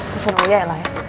tuhan punya ya lah ya